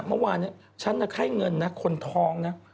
เมื่อวานนี้ฉันแล้วไข้เงินนะคนทองนะ